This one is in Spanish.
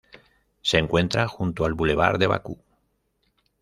Se encuentra junto al bulevar de Bakú.